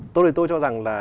tôi cho rằng là